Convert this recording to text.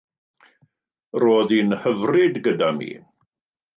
Roedd hi'n hyfryd gyda mi.